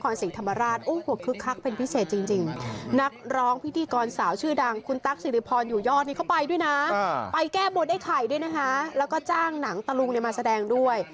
ยอดนี้เขาไปด้วยนะไปแก้บนไอ้ไข่ด้วยนะคะแล้วก็จ้างหนังตะลุงเนี่ยมาแสดงด้วย